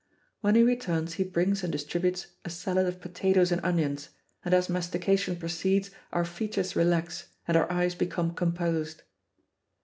When he returns he brings and distributes a salad of potatoes and onions, and as mastication proceeds our features relax and our eyes become composed.